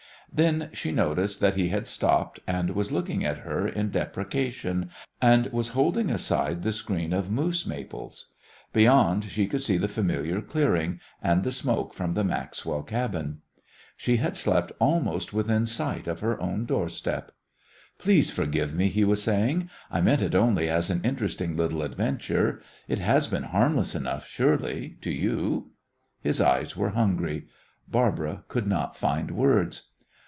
Then she noticed that he had stopped, and was looking at her in deprecation, and was holding aside the screen of moose maples. Beyond she could see the familiar clearing, and the smoke from the Maxwell cabin. She had slept almost within sight of her own doorstep. "Please forgive me," he was saying. "I meant it only as an interesting little adventure. It has been harmless enough, surely to you." His eyes were hungry. Barbara could not find words.